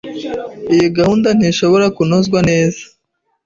Iyi gahunda ntishobora kunozwa neza.